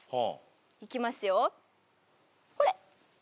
いきますよほれ！